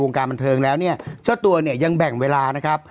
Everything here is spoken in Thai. การบันเทิงแล้วเนี่ยเจ้าตัวเนี่ยยังแบ่งเวลานะครับ